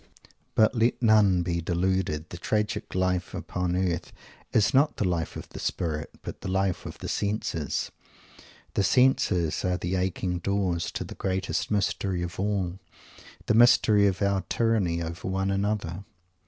But let none be deluded. The tragic life upon earth is not the life of the spirit, but the life of the senses. The senses are the aching doors to the greatest mystery of all, the mystery of our tyranny over one another.